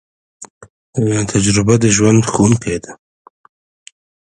تجربه د ژوند ښوونکی ده